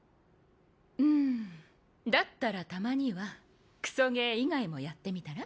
うんだったらたまにはクソゲー以外もやってみたら？